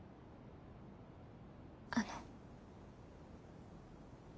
あの。